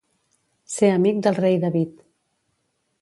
Ser amic del rei David.